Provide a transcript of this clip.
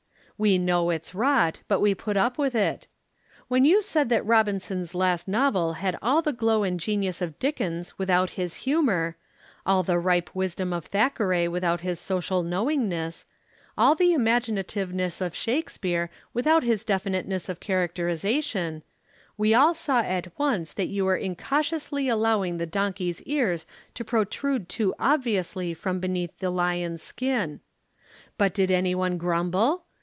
We know it's rot, but we put up with it. When you said that Robinson's last novel had all the glow and genius of Dickens without his humor, all the ripe wisdom of Thackeray without his social knowingness, all the imaginativeness of Shakespeare without his definiteness of characterization, we all saw at once that you were incautiously allowing the donkey's ears to protrude too obviously from beneath the lion's skin. But did anyone grumble?